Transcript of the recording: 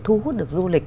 thu hút được du lịch